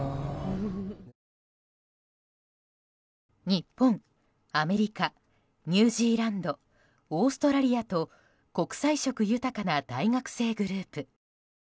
日本、アメリカニュージーランドオーストラリアと国際色豊かな大学生グループ。